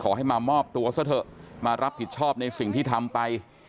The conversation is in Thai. ขอให้มามอบตัวซะเถอะมารับผิดชอบในสิ่งที่ทำไป